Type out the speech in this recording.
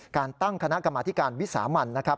การตั้งคณะกรรมธิการวิสามันนะครับ